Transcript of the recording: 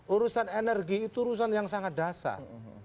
urusan energi itu urusan yang sangat dasar